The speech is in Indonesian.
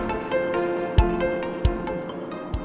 aku kena nyansi